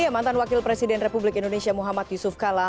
mantan wakil presiden republik indonesia muhammad yusuf kala